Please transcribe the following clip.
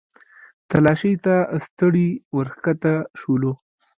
تلاشۍ ته ستړي ورښکته شولو.